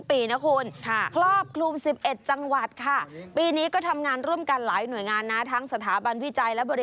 อุปธรรมสมเด็จพระเจ้าพี่นางเถอเจ้าฟ้ากรรยานิวัฒนากรมหลวงนราธิวัตรรัชนครินทร์